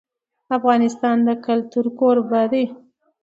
افغانستان د کلتور کوربه دی.